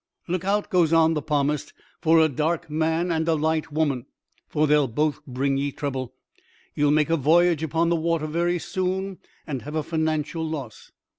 "Look out," goes on the palmist, "for a dark man and a light woman; for they'll both bring ye trouble. Ye'll make a voyage upon the water very soon, and have a financial loss.